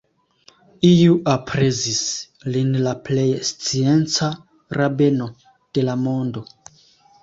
Iu aprezis lin la plej scienca rabeno de la mondo.